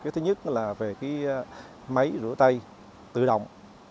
thứ nhất là máy rửa tay tự động